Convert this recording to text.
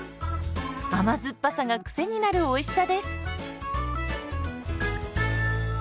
甘酸っぱさがクセになるおいしさです。